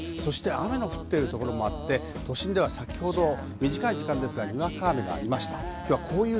雨の降ってるところもあって、都心では先ほどにわか雨がありました。